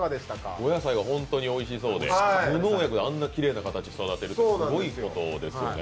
お野菜が本当においしそうで無農薬であれだけきれいな形に育てるって大変なことですよね。